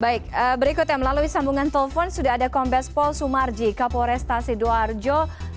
baik berikutnya melalui sambungan telepon sudah ada kombes pol sumarji kapol restasi duarjo